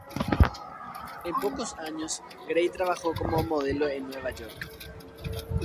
En pocos años Gray trabajó como modelo en Nueva York.